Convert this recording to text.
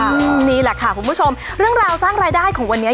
นี่แหละค่ะคุณผู้ชมเรื่องราวสร้างรายได้ของวันนี้